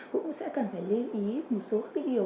cũng sẽ cần phải lưu ý một số điều